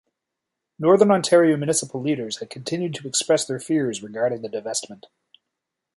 Northern Ontario municipal leaders had continued to express their fears regarding the divestment.